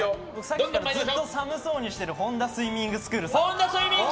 ずっと寒そうにしてる本多スイミングスクールさん。